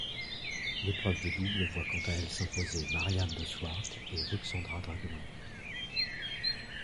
L'épreuve de double voit quant à elle s'imposer Mariaan de Swardt et Ruxandra Dragomir.